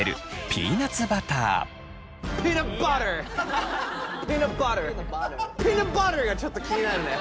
ピーナツバター！がちょっと気になるね。